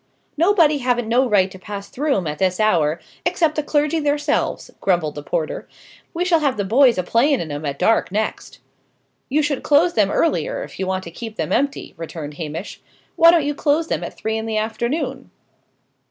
"Nobody haven't no right to pass through 'em at this hour, except the clergy theirselves," grumbled the porter. "We shall have them boys a playing in 'em at dark, next." "You should close them earlier, if you want to keep them empty," returned Hamish. "Why don't you close them at three in the afternoon?"